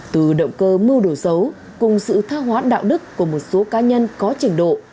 từ động cơ mưu đồ xấu cùng sự tha hoãn đạo đức của một số cá nhân có trình độ